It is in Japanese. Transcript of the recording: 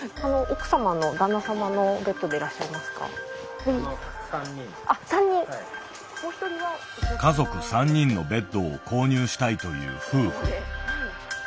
家族３人のベッドを購入したいという夫婦。